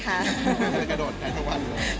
กระโดดในทุกวัน